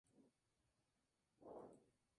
En sus últimos años sufrió de demencia.